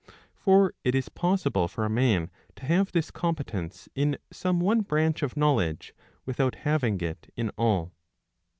For it is possible for a man to have this competence in some one branch of know ledge without having it in all.